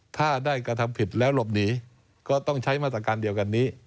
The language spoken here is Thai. ถ้าได้กระทำผิดแล้วหลบหนีก็ต้องใช้มาตรการเดียวกันนี้